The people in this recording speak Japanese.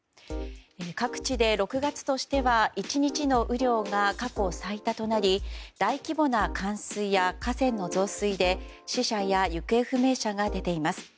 各地で６月としては１日の雨量が過去最多となり大規模な冠水や河川の増水で死者や行方不明者が出ています。